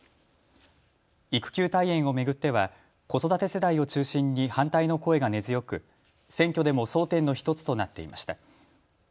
育休退園を巡っては子育て世代を中心に反対の声が根強く選挙でも争点の１つとなっていました。